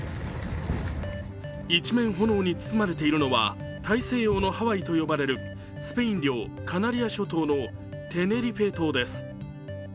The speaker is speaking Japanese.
一面、炎に包まれているのは大西洋のハワイと呼ばれるスペイン領・カナリア諸島のテネリフェ島です。